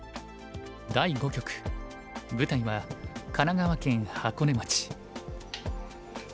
舞台は神奈川県箱根町。